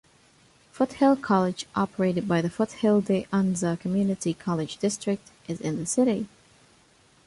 Foothill College operated by the Foothill-De Anza Community College District is in the city.